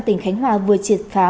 tỉnh khánh hòa vừa triệt phá